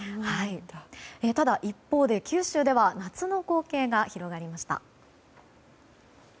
ただ一方で、九州では夏の光景が広がりました。